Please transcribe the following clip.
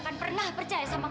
kamu mau ke rumah saya